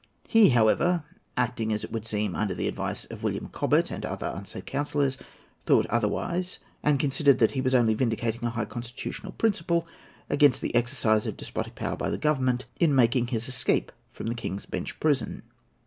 He, however—acting as it would seem under the advice of William Cobbett and other unsafe counsellors—thought otherwise, and considered that he was only vindicating a high constitutional principle, against the exercise of despotic power by the Government, in making his escape from the King's Bench Prison.